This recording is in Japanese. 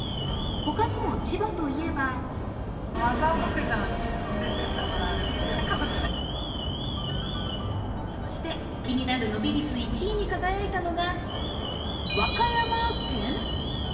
他にも千葉といえばそして気になる伸び率１位に輝いたのが和歌山県？